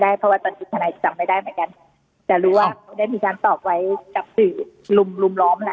เพราะว่าตอนนี้ทนายจำไม่ได้เหมือนกันแต่รู้ว่าเขาได้มีการตอบไว้กับสื่อลุมลุมล้อมน่ะ